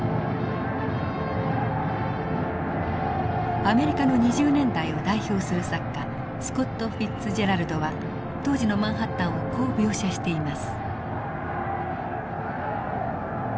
アメリカの２０年代を代表する作家スコット・フィッツジェラルドは当時のマンハッタンをこう描写しています。